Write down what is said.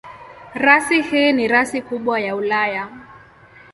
Rasi hii ni rasi kubwa ya Ulaya.